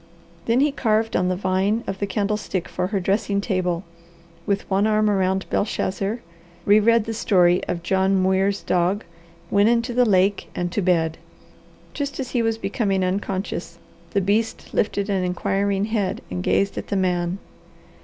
Then he carved on the vine of the candlestick for her dressing table; with one arm around Belshazzar, re read the story of John Muir's dog, went into the lake, and to bed. Just as he was becoming unconscious the beast lifted an inquiring head and gazed at the man.